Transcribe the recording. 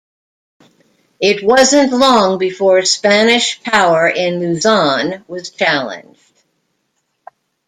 It wasn't long before Spanish power in Luzon was challenged.